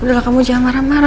udah lah kamu jangan marah marah